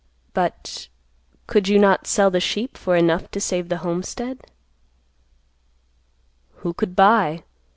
"But, could you not sell the sheep for enough to save the homestead?" "Who could buy?